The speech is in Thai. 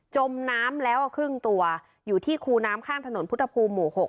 จมน้ำแล้วครึ่งตัวอยู่ที่คูน้ำข้างถนนพุทธภูมิหมู่๖